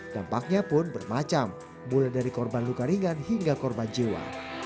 dampaknya pun bermacam mulai dari korban luka ringan hingga korban jiwa